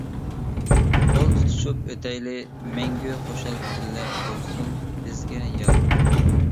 قول تۇتۇشۇپ ئۆتەيلى مەڭگۈ، خۇشال كۈنلەر بولسۇن بىزگە يار.